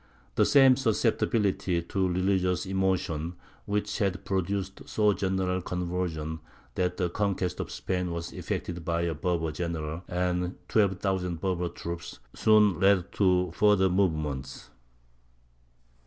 The same susceptibility to religious emotion, which had produced so general a conversion that the conquest of Spain was effected by a Berber general and twelve thousand Berber troops, soon led to further movements.